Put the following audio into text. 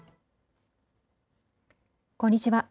こんにちは。